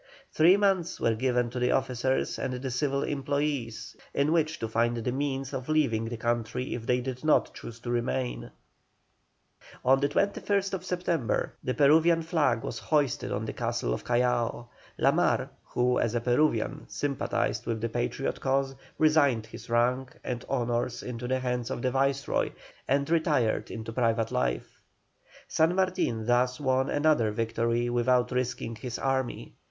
Three months were given to the officers and the civil employés in which to find the means of leaving the country if they did not choose to remain. On the 21st September the Peruvian flag was hoisted on the castles of Callao. La Mar, who as a Peruvian sympathised with the Patriot cause, resigned his rank and honours into the hands of the Viceroy and retired into private life. San Martin thus won another victory without risking his army.